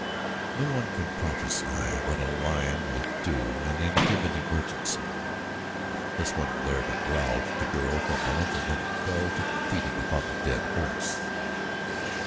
No one can prophesy what a lion will do in any given emergency. This one glared and growled at the girl for a moment and then fell to feeding upon the dead horse.